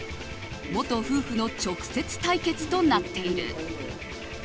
元夫婦の直接対決となっている。